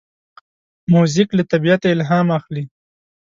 موزیک له طبیعته الهام اخلي.